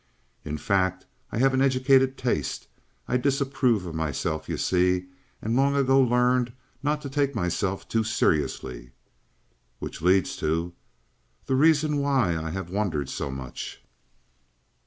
"In fact I have an educated taste; I disapprove of myself, you see, and long ago learned not to take myself too seriously." "Which leads to " "The reason why I have wandered so much."